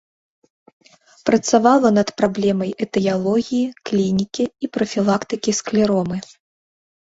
Працавала над праблемай этыялогіі, клінікі і прафілактыкі склеромы.